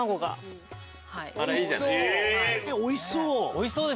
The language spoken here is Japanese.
おいしそう！